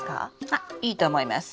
あいいと思います。